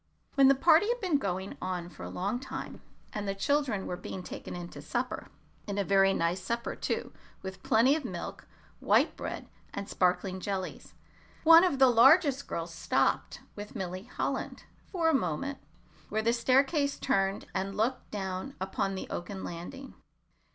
When the party had been going on for a long time, and the children were being taken in to supper and a very nice supper, too, with plenty of milk, white bread, and sparkling jellies one of the largest girls stopped with Milly Holland for a moment where the staircase turned and looked down upon the oaken landing.